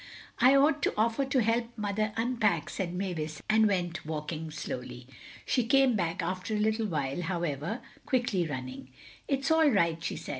"I ought to offer to help Mother unpack," said Mavis, and went walking slowly. She came back after a little while, however, quickly running. "It's all right," she said.